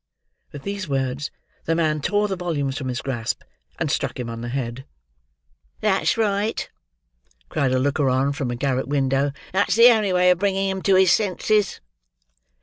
With these words, the man tore the volumes from his grasp, and struck him on the head. "That's right!" cried a looker on, from a garret window. "That's the only way of bringing him to his senses!"